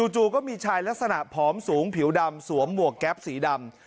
จู่ก็มีชายลักษณะผอมสูงผิวดำสวมหมวกแก๊ปสีดำ